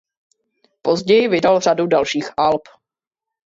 Později vydal řadu dalších alb.